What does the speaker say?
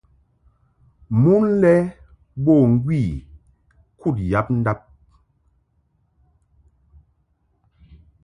Mon lɛ bo ŋgwi kud yab ndab.